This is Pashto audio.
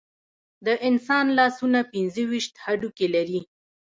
د انسان لاسونه پنځه ویشت هډوکي لري.